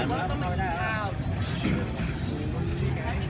แม่กับผู้วิทยาลัย